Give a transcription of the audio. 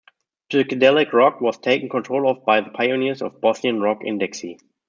Psychedelic rock was taken control of by the pioneers of Bosnian rock Indexi.